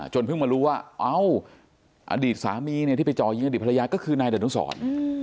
จนเพิ่งมารู้ว่าอดีตสามีที่ไปจ่อยิงอดีตภรรยาก็คือนายเดินทุกศร